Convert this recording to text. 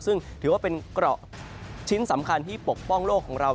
ซึ่งถือว่าเป็นเกราะชิ้นสำคัญที่ปกป้องโลกของเรา